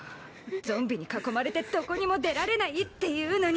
ゾンビに囲まれてどこにも出られないっていうのに。